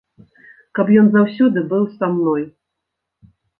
Каб ён заўсёды быў са мной.